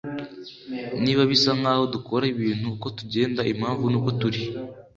niba bisa nkaho dukora ibintu uko tugenda, impamvu nuko turi